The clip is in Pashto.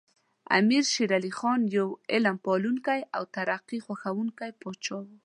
امیر شیر علی خان یو علم پالونکی او ترقي خوښوونکی پاچا و.